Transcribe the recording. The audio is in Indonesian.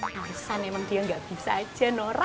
harusan emang dia gak bisa aja nora